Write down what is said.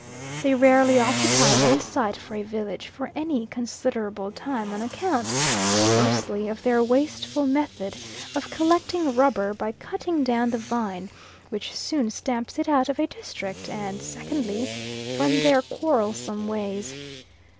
They rarely occupy one site for a village for any considerable time on account firstly, of their wasteful method of collecting rubber by cutting down the vine, which soon stamps it out of a district; and, secondly, from their quarrelsome ways.